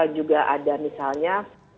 juga ada misalnya